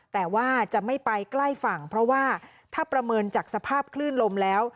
แต่ว่าจะไม่ไปใกล้ฝั่งเพราะว่าถ้าประเมินจากสภาพคลื่นลมแล้ว